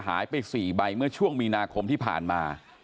หายไป๔ใบเมื่อช่วงมีนาคมที่ผ่านมา